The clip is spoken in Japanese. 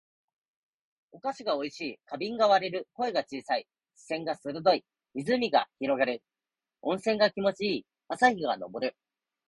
お菓子が美味しい。花瓶が割れる。声が小さい。視線が鋭い。湖が広がる。温泉が気持ち良い。朝日が昇る。